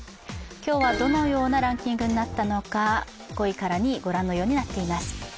今日はどのようなランキングになったのか、５位から２位、ご覧のようになっています。